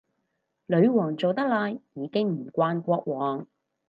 女皇做得耐，已經唔慣國王